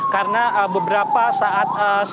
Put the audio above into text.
karena beberapa saat